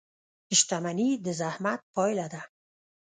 • شتمني د زحمت پایله ده.